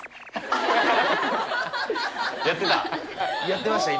やってた？